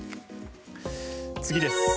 次です。